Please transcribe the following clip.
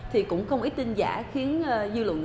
thì cũng không ít tin giả khiến dư luận